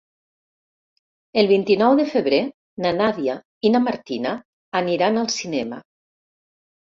El vint-i-nou de febrer na Nàdia i na Martina aniran al cinema.